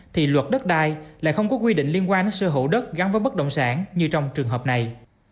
thì luật đất đai lại không có quy định liên quan đến sơ hữu đất gắn với bất động sản như trong trường hợp này